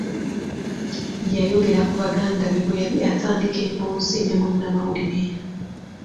Yayogera ku baganda be bwe yali atandika emboozi ne munnamawulire.